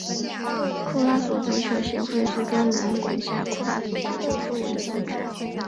库拉索足球协会是专门管辖库拉索足球事务的组织。